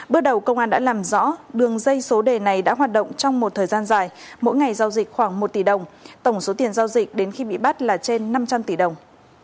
bước đầu công an đã làm rõ đường dây số đề này đã hoạt động trong một thời gian dài mỗi ngày giao dịch khoảng một tỷ đồng tổng số tiền giao dịch đến khi bị bắt là trên năm trăm linh tỷ đồng